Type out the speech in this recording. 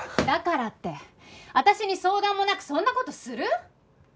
だからって私に相談もなくそんな事する？